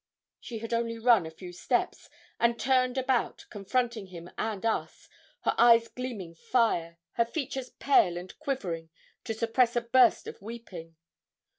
She had only run a few steps, and turned about confronting him and us, her eyes gleaming fire, her features pale and quivering to suppress a burst of weeping.